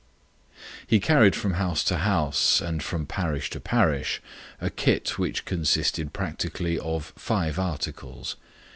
He carried from house to house and from parish to parish a kit which consisted practically of five articles.